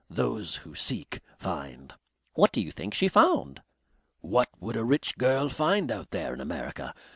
Those who seek find." "What do you think she found?" "What would a rich girl find out there in America?